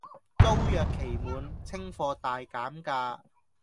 租約期滿，清貨大減價